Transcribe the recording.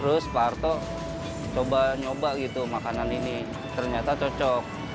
terus pak harto coba nyoba gitu makanan ini ternyata cocok